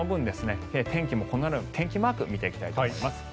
天気マーク見ていきたいと思います。